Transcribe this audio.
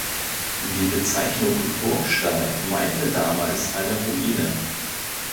Die Bezeichnung „Burgstall“ meinte damals eine Ruine.